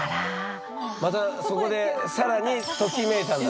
またそこで更にときめいたんだ。